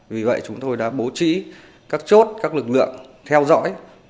vì vậy chúng tôi đã bố trí các chốt các lực lượng theo dõi